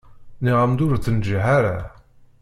Nniɣ-am-d ur tenǧiḥ ara.